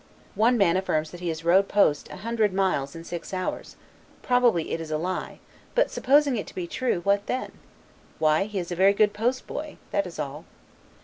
One man affirms that he has rode post an hundred miles in six hours; probably it is a lie: but supposing it to be true, what then? Why he is a very good post boy, that is all.